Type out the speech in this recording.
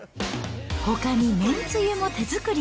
ほかに、めんつゆも手作り。